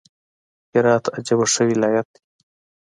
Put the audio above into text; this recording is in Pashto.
هرات عجبه ښه ولايت دئ!